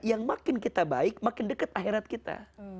yang makin kita baik makin dekat akhirat kita